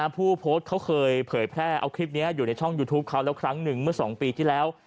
ผู้โพสต์เขาเคยเผยแพร่เอาคลิปนี้อยู่ในช่องยูทูปเขาแล้วครั้งหนึ่งเมื่อ๒ปีที่แล้ว